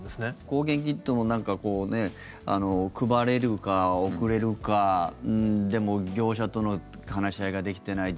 抗原キットもなんかこう配れるか、送れるかでも業者との話し合いができてない